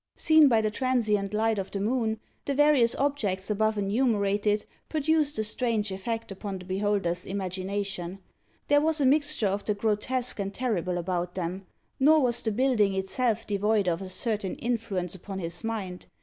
Seen by the transient light of the moon, the various objects above enumerated produced a strange effect upon the beholder's imagination. There was a mixture of the grotesque and terrible about them. Nor was the building itself devoid of a certain influence upon his mind.